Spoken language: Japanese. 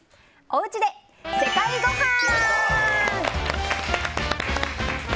おうちで世界ごはん。